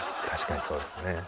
確かにそうですね。